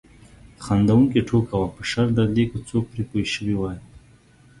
خندونکې ټوکه وه په شرط د دې که څوک پرې پوه شوي وای.